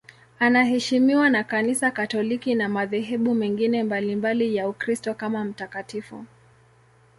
Anaheshimiwa na Kanisa Katoliki na madhehebu mengine mbalimbali ya Ukristo kama mtakatifu.